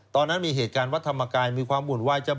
ตอนนั้นมีเหตุการณ์วัดธรรมกายมีความหวุ่นวาย